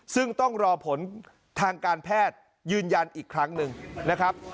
ซึ่งต้องรอผลทางการแพทย์ยืนยันอีกครั้งหนึ่งนะครับ